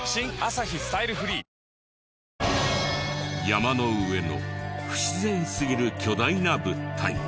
山の上の不自然すぎる巨大な物体。